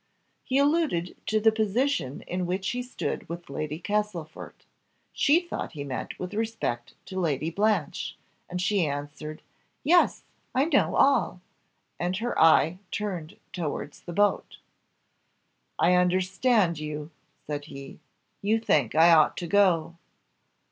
He alluded to the position in which he stood with Lady Castlefort; she thought he meant with respect to Lady Blanche, and she answered "Yes: I know all!" and her eye turned towards the boat. "I understand you," said he; "you think I ought to go?"